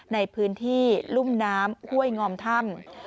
ในพื้นที่รุ่มน้ำห้วยงอมถ้ำ